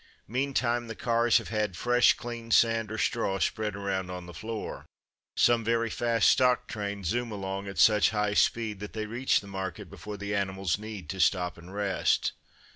Meantime the cars have had fresh clean sand or straw spread around on the floor. Some very fast stock trains zoom along at such high speed that they reach the market before the animals need to stop and rest.